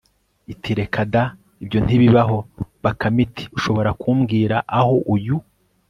iti reka da, ibyo ntibibaho! bakame iti ushobora kumbwira aho uyu